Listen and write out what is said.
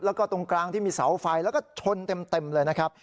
แล้วก็ตรงกลางที่มีเสาไฟแล้วก็ชนเต็มเลยนะครับ